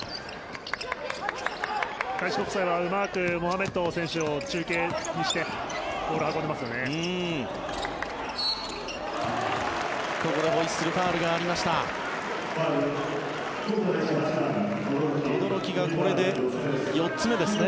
開志国際は、うまくモハメッド選手を中継にしてボールを運んでいますよね。